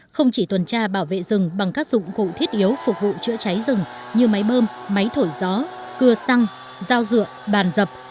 không chỉ tuần tra bảo vệ rừng bằng các dụng cụ thiết yếu phục vụ chữa cháy rừng như máy bơm máy thổi gió cưa xăng dao dựa bàn dập